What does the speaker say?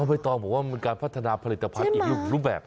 ใบตองบอกว่ามันเป็นการพัฒนาผลิตภัณฑ์อีกรูปแบบ